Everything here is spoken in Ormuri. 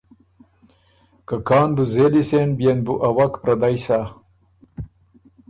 که کان بُو زېلی سېن بيې ن بُو ا وک پره دئ سۀ۔